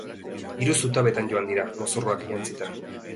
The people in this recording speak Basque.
Hiru zutabetan joan dira, mozorroak jantzita.